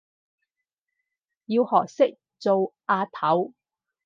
要學識做阿頭